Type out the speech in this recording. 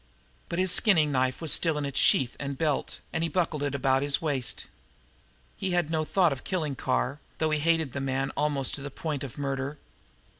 But his skinning knife was still in its sheath and belt, and he buckled it about his waist. He had no thought of killing Carr, though he hated the man almost to the point of murder.